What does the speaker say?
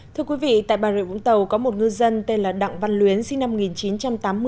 thưa quý vị tại bà rịa vũng tàu có một ngư dân tên là đặng văn luyến sinh năm một nghìn chín trăm tám mươi